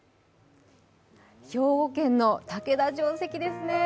兵庫県の竹田城跡ですね。